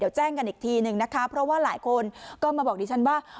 เดี๋ยวแจ้งกันอีกทีหนึ่งนะคะเพราะว่าหลายคนก็มาบอกดิฉันว่า